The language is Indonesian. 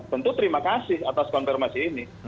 tentu terima kasih atas konfirmasi ini